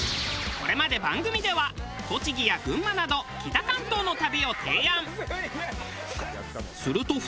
これまで番組では栃木や群馬など北関東の旅を提案。